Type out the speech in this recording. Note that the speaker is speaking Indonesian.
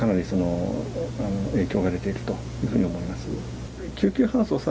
akan meningkatkan risiko kematian akibat kepanasan